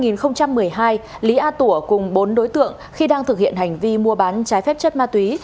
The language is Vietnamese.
năm hai nghìn một mươi hai lý a tủa cùng bốn đối tượng khi đang thực hiện hành vi mua bán trái phép chất ma túy